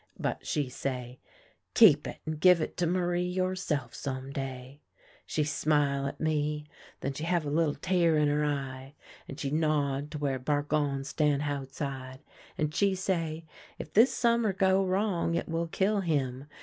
But she say, ' Keep it and give it to Marie yourself some day.' " She smile at me, then she have a little tear in her eye, and she nod to where Bargon stan' houtside, and she say :' If this summer go wrong, it will kill him.